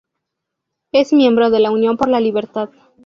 Es miembro de Unión por la Libertad.